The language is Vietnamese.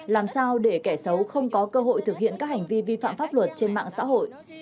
làm sao để kẻ xấu không có cơ hội thực hiện các hành vi vi phạm pháp luật trên mạng xã hội